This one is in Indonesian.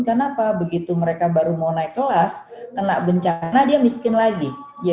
kenapa begitu mereka baru mau naik kelas kena bencana dia miskin lagi